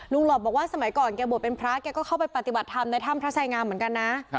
หลอบบอกว่าสมัยก่อนแกบวชเป็นพระแกก็เข้าไปปฏิบัติธรรมในถ้ำพระสายงามเหมือนกันนะ